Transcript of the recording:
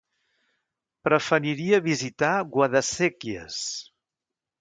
Preferiria visitar Guadasséquies.